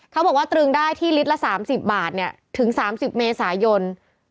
ตรึงได้ที่ลิตรละ๓๐บาทถึง๓๐เมษายน